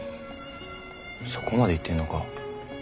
そこまでいってんのか。